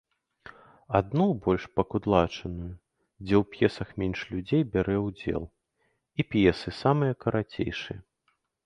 Адну, больш пакудлачаную, дзе у п'есах менш людзей бярэ ўдзел, і п'есы самыя карацейшыя.